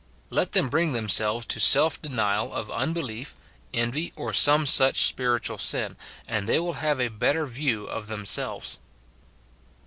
Let them bring themselves to self denial of unbelief, envy, or some such spiritual sin, and they will have a better view of themselves.